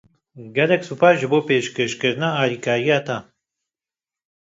Gelek spas ji bo pêşkêşkirina alîkariya te!